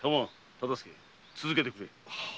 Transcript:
忠相続けてくれ。